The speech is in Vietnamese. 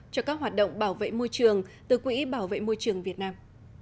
cho các hoạt động bảo vệ môi trường từ quỹ bảo vệ môi trường việt nam